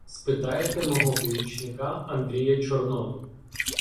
Спитаєте мого помічника Андрія Чорноту.